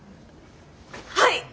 はい！